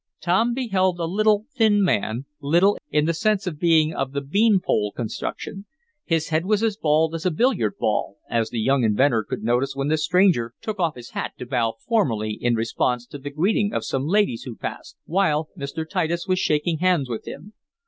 Tom beheld a little, thin man, little in the sense of being of the "bean pole" construction. His head was as bald as a billiard ball, as the young inventor could notice when the stranger took off his hat to bow formally in response to the greeting of some ladies who passed, while Mr. Titus was shaking hands with him.